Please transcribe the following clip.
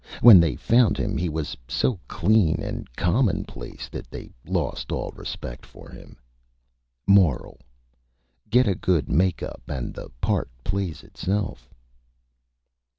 When they found him he was so Clean and Commonplace that they lost all Respect for him. MORAL: _Get a good Make Up and the Part plays itself.